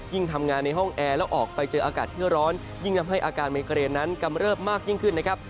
ทำงานในห้องแอร์แล้วออกไปเจออากาศที่ร้อนยิ่งทำให้อาการไมเกรนนั้นกำเริบมากยิ่งขึ้นนะครับ